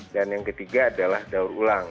dan yang ketiga adalah daur ulang